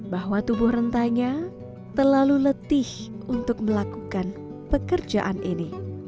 bahwa tubuh rentanya terlalu letih untuk melakukan pekerjaan ini